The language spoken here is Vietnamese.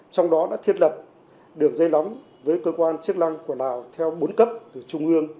trong đó đã thiết lập đường dây nóng với cơ quan chức năng của lào theo bốn cấp từ trung ương